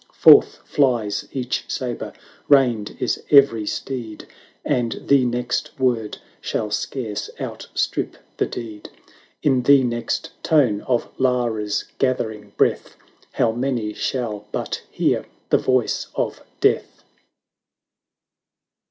Forth flies each sabre, reined is every steed, And the next word shall scarce outstrip the deed: Canto ii.] LARA 407 In the next tone of Lara's gathering breath How many shall but hear the voice of Death